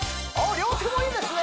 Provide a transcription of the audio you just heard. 両手もいいですね